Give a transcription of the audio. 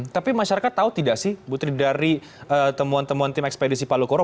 tapi masyarakat tahu tidak sih putri dari temuan temuan tim ekspedisi palu koro